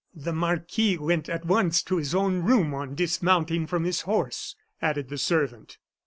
"The marquis went at once to his own room on dismounting from his horse," added the servant.